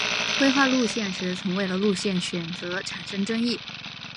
规划路线时曾为了路线选择产生争议。